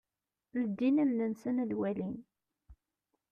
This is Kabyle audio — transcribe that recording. Ldin allen-nsen ad walin.